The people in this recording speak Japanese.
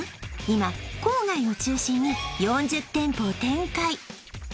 今郊外を中心に４０店舗を展開